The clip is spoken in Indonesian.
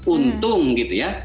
untung gitu ya